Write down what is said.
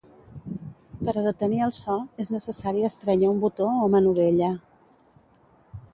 Per a detenir el so, és necessari estrènyer un botó o manovella.